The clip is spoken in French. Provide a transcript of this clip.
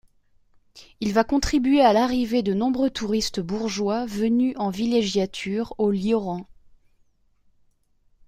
Il va contribuer à l'arrivée de nombreux touristes bourgeois venus en villégiature au Lioran.